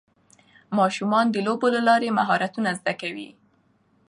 ماشومان د لوبو له لارې مهارتونه زده کوي